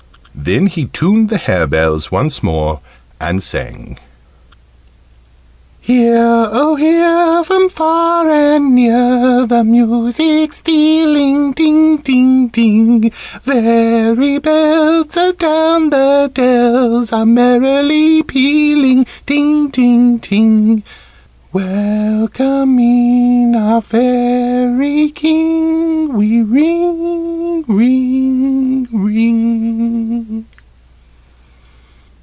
Then he tuned the hare bells once more, and sang: "Hear, oh, hear! From far and near The music stealing, ting, ting, ting! Fairy belts adown the dells Are merrily pealing, ting, ting, ting! Welcoming our Fairy King, We ring, ring, ring.